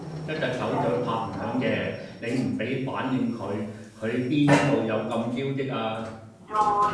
一隻手掌拍唔響嘅，你唔俾反應佢，佢邊度有咁招積呀？